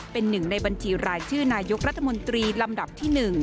เป็นหนึ่งในบัญชีรายชื่อนายกรัฐมนตรีลำดับที่๑